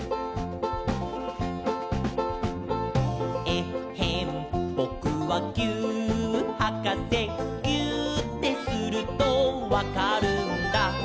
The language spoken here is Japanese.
「えっへんぼくはぎゅーっはかせ」「ぎゅーってするとわかるんだ」